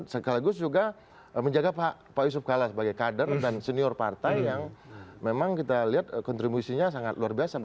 sekaligus juga menjaga pak yusuf kalla sebagai kader dan senior partai yang memang kita lihat kontribusinya sangat luar biasa